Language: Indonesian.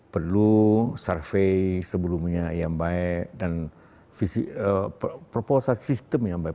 perlu survei sebelumnya yang baik dan proposal sistem yang baik